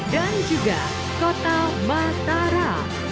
dan juga kota matara